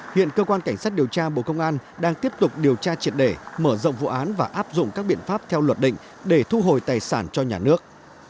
hiện cơ quan cảnh sát điều tra bộ công an đang tiếp tục điều tra triệt đề mở rộng vụ án và áp dụng các biện pháp theo luật định để thu hồi tài sản cho nhà nước